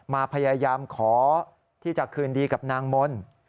มาพยายามขอที่จะคืนดีกับนางมนต์